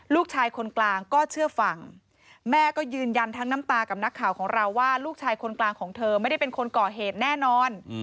ลูกชายคนกลางก็เชื่อฟังแม่ก็ยืนยันทั้งน้ำตากับนักข่าวของเราว่าลูกชายคนกลางของเธอไม่ได้เป็นคนก่อเหตุแน่นอน